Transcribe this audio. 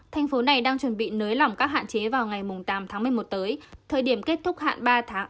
thành phố này đang chuẩn bị nới lỏng các hạn chế vào ngày tám tháng một mươi một tới thời điểm kết thúc hạn ba tháng